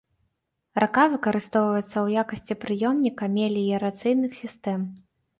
Рака выкарыстоўваецца ў якасці прыёмніка меліярацыйных сістэм.